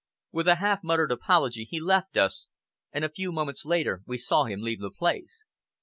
With a half muttered apology, he left us, and a few moments later we saw him leave the place.